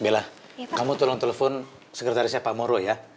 bella kamu tolong telepon sekretarisnya pak moro ya